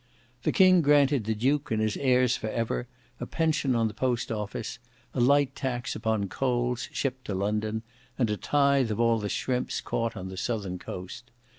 The king granted the duke and his heirs for ever, a pension on the post office, a light tax upon coals shipped to London, and a tithe of all the shrimps caught on the southern coast.